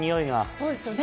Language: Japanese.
そうですよね